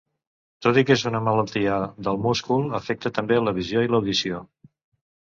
Tot i que és una malaltia del múscul afecta també la visió i l'audició.